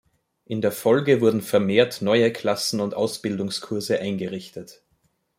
In der Folge wurden vermehrt neue Klassen und Ausbildungskurse eingerichtet.